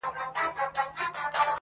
ملامت نۀ وه كۀ يى مخ كۀ يى سينه وهله.